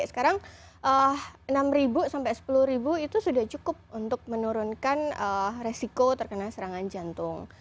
sekarang enam ribu sampai sepuluh itu sudah cukup untuk menurunkan resiko terkena serangan jantung